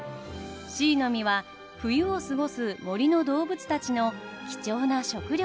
シイの実は冬を過ごす森の動物たちの貴重な食料です。